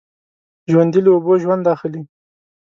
ژوندي له اوبو ژوند اخلي